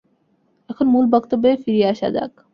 এখন মূল বক্তব্যে ফিরিয়া আসা যাক।